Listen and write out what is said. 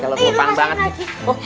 kalau belom pang banget nih